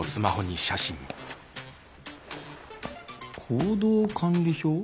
行動管理表？